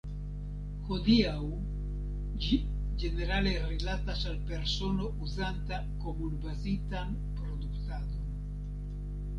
Hodiaŭ ĝi ĝenerale rilatas al persono uzanta komun-bazitan produktadon.